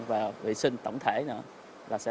và vệ sinh tổng thể nữa